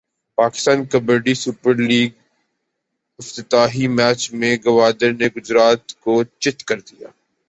Pakistan kabaddi super لیگافتتاحی match میں گوادر نے گجرات کو چت کردیا